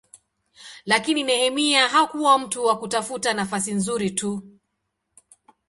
Lakini Nehemia hakuwa mtu wa kutafuta nafasi nzuri tu.